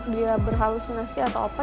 dia berhalusinasi atau apa